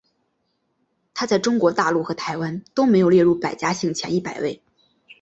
它在中国大陆和台湾都没有列入百家姓前一百位。